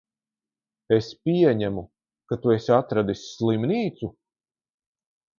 Es pieņemu, ka tu esi atradis slimnīcu?